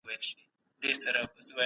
سیاستوال کله د فردي مالکیت حق ورکوي؟